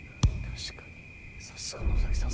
確かにさすが野崎さん